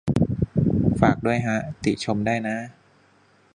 ฝากด้วยฮะ ติชมได้น้า